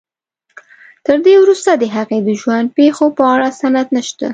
تر دې وروسته د هغې د ژوند پېښو په اړه سند نشته.